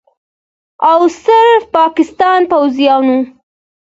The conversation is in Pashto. او صرف پاکستان پوځیانو